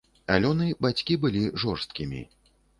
Алёны, бацькі былі жорсткімі.